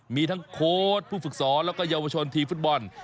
มีทั้งโค้ดผู้ฝึกสอนแล้วก็เยาวชนทีมฟุตบอล